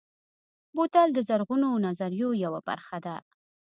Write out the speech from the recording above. بوتل د زرغونو نظریو یوه برخه ده.